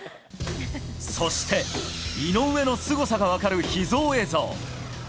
そして、井上のすごさが分かる秘蔵映像。